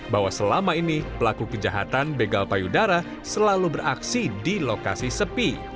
bahwa selama ini pelaku kejahatan begal payudara selalu beraksi di lokasi sepi